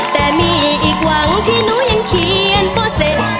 แต่มีอีกหวังที่หนูยังเขียนพอเสร็จ